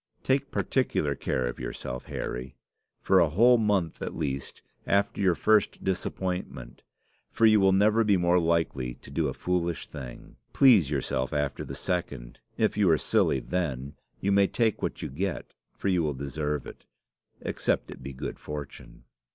Take particular care of yourself, Harry, for a whole month, at least, after your first disappointment; for you will never be more likely to do a foolish thing. Please yourself after the second. If you are silly then, you may take what you get, for you will deserve it except it be good fortune."